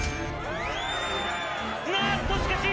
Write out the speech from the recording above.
「なぁっとしかし！